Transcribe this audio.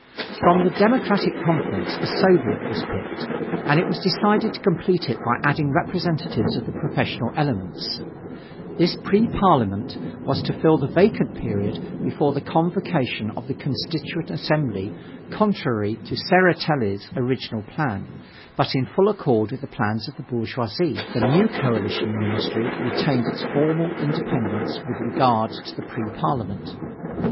From the Democratic Conference a Soviet was picked, and it was decided to complete it by adding representatives of the professional elements; this Pre Parliament was to fill the vacant period before the convocation of the Constituent Assembly Contrary to Tseretelli's original plan, but in full accord with the plans of the bourgeoisie, the new coalition ministry retained its formal independence with regard to the Pre Parliament.